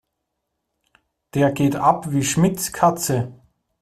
Der geht ab wie Schmitz' Katze.